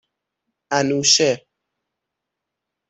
انوشه